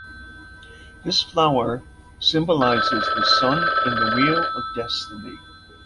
This flower symbolizes the sun and the wheel of destiny.